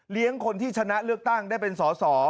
คนที่ชนะเลือกตั้งได้เป็นสอสอ